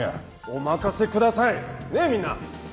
お任せくださいねぇみんな！